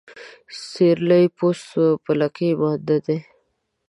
سيرلى پوست سوى ، په لکۍ مانده دى.